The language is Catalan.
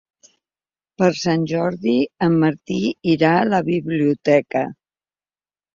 Per Sant Jordi en Martí irà a la biblioteca.